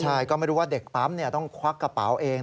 ใช่ก็ไม่รู้ว่าเด็กปั๊มต้องควักกระเป๋าเอง